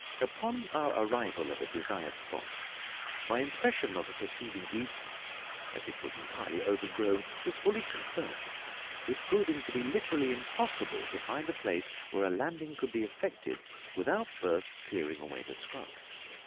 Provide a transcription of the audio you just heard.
Upon our arrival at the desired spot, my impression of the preceding evening that it was entirely overgrown was fully confirmed, it proving to be literally impossible to find a place where a landing could be effected without first clearing away the scrub.